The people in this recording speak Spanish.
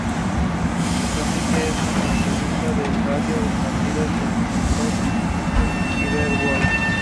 Actualmente es comentarista de radio de los partidos de los Minnesota Timberwolves.